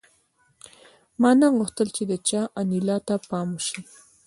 ما نه غوښتل چې د چا انیلا ته پام شي